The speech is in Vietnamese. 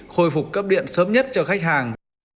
khôi phục cấp điện sớm nhất cho khách hàng